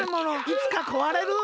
いつかこわれる。